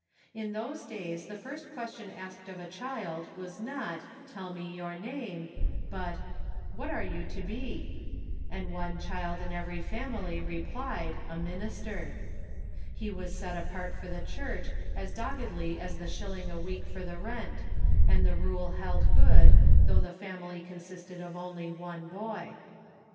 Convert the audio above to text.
In those days the first question asked of a child was not, "Tell me your name," but "What are you to be?" and one child in every family replied, "A minis ter." He was set apart for the Church as doggedly as the shilling a week for the rent, and the rule held good though the family consisted of only one boy.